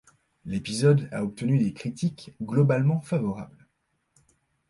L'épisode a obtenu des critiques globalement favorables.